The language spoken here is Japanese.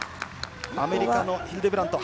アメリカのヒルデブラント。